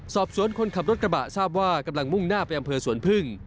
คนขับรถกระบะทราบว่ากำลังมุ่งหน้าไปอำเภอสวนพึ่ง